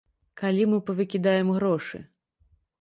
Калі мы павыкідаем грошы.